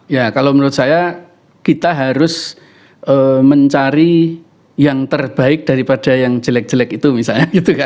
ya kalau menurut saya kita harus mencari yang terbaik daripada yang jelek jelek itu misalnya gitu kan